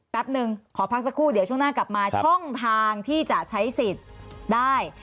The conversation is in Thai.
แป๊บนึงขอพักสักครู่เดี๋ยวช่วงหน้ากลับมาช่องทางที่จะใช้สิทธิ์ได้